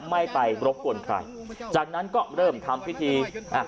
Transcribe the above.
ไม่ไปรบกวนใครจากนั้นก็เริ่มทำพิธีอ่ะ